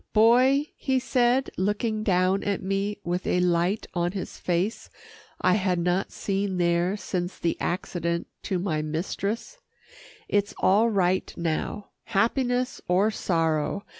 "Boy," he said looking down at me with a light on his face I had not seen there since the accident to my mistress, "it's all right now happiness or sorrow.